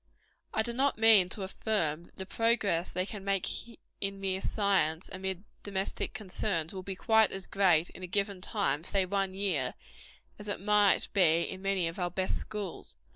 I do not mean to affirm, that the progress they can make in mere science, amid domestic concerns, will be quite as great in a given time say one year as it might be in many of our best schools.